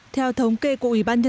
theo thống kê của ủy ban nhân dân